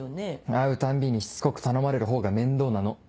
会うたんびにしつこく頼まれる方が面倒なの。